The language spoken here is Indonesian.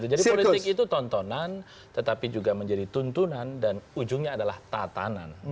jadi politik itu tontonan tetapi juga menjadi tuntunan dan ujungnya adalah tatanan